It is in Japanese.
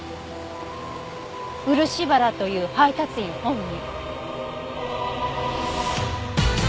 漆原という配達員本人。